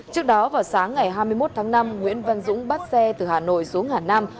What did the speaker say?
trước đó vào sáng ngày hai mươi một tháng năm nguyễn văn dũng bắt xe từ hà nội xuống hà nam